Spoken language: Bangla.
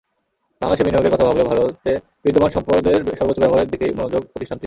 বাংলাদেশে বিনিয়োগের কথা ভাবলেও ভারতে বিদ্যমান সম্পদের সর্বোচ্চ ব্যবহারের দিকেই মনোযোগ প্রতিষ্ঠানটির।